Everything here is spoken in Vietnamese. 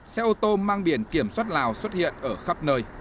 xe ô tô mang biển kiểm soát lào xuất hiện ở khắp nơi